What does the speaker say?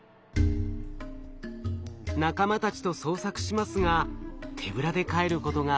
仲間たちと捜索しますが手ぶらで帰ることがほとんど。